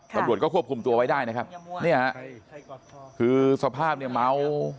ตำรวจก็ควบคุมตัวไว้ได้นะครับเนี่ยฮะคือสภาพเนี่ยเมา